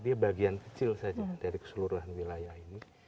dia bagian kecil saja dari keseluruhan wilayah ini